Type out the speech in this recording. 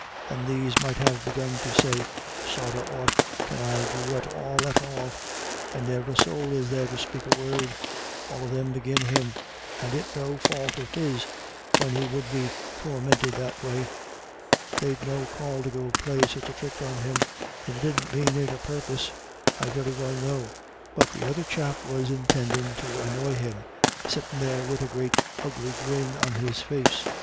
And these might have begun so say, "Sorra aught can I do at all, at all. And ne'er a soul is there to spake a word all of thim agin him, and it no fau't of his, when he would be torminted that way. They'd no call to go play such a thrick on him, and he didn't mane it a' purpose, I very well know; but the other chap was intindin' to annoy him, sittin' there wid a great ugly grin on his face.